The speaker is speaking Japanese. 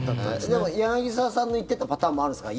でも、柳澤さんの言ってたパターンもあるんですか？